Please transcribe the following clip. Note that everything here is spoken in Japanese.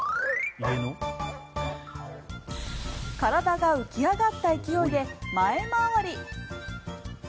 体が浮き上がった勢いで前回り。